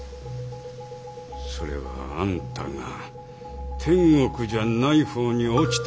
それはあんたが天国じゃない方に落ちたからだろ。